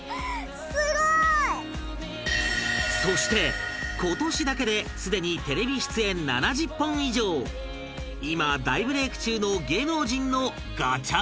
そして今年だけですでにテレビ出演７０本以上今大ブレイク中の芸能人のガチャガチャ押し入れを